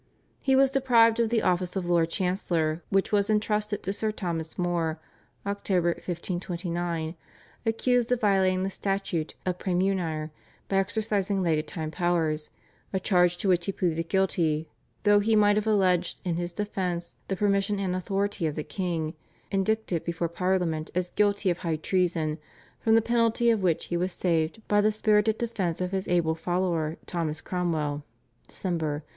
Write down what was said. He was deprived of the office of Lord Chancellor which was entrusted to Sir Thomas More (Oct. 1529), accused of violating the statute of Praemunire by exercising legatine powers, a charge to which he pleaded guilty though he might have alleged in his defence the permission and authority of the king, indicted before Parliament as guilty of high treason, from the penalty of which he was saved by the spirited defence of his able follower Thomas Cromwell (Dec.)